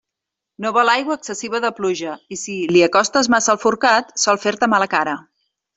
No vol aigua excessiva de pluja, i si li acostes massa el forcat, sol fer-te mala cara.